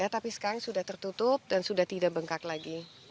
tapi sekarang sudah tertutup dan sudah tidak bengkak lagi